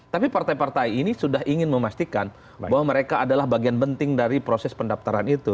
tapi partai partai ini sudah ingin memastikan bahwa mereka adalah bagian penting dari proses pendaftaran itu